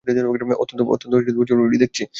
অত্যন্ত জরুরি দেখছি।